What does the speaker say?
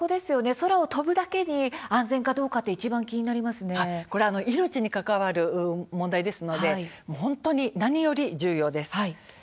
空を飛ぶだけに安全かどうか命に関わる問題なので何より重要です。